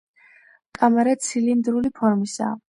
კამარა ცილინდრული ფორმისაა.